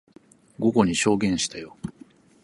午後に証言したよ。